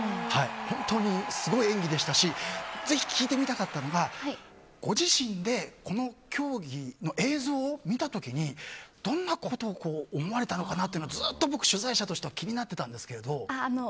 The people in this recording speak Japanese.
本当にすごい演技でしたしぜひ聞いてみたかったのがご自身でこの競技の映像を見た時に、どんなことを思われたのかなというのがずっと僕、取材者としては気になっていたんですが。